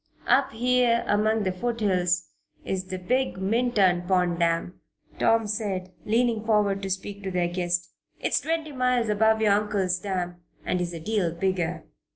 "Up here among the foothills is the big Minturn Pond Dam," Tom said, leaning forward to speak to their guest. "It's twenty miles above your uncle's dam and is a deal bigger.